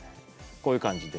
こういう感じで。